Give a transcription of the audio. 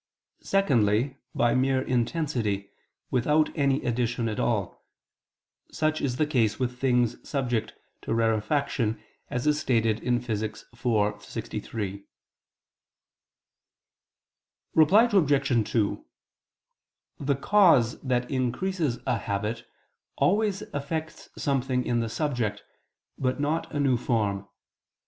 Secondly, by mere intensity, without any addition at all; such is the case with things subject to rarefaction, as is stated in Phys. iv, text. 63. Reply Obj. 2: The cause that increases a habit, always effects something in the subject, but not a new form.